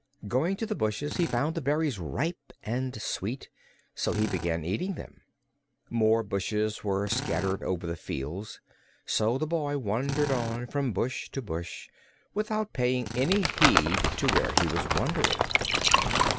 Going to the bushes he found the berries ripe and sweet, so he began eating them. More bushes were scattered over the fields, so the boy wandered on, from bush to bush, without paying any heed to where he was wandering.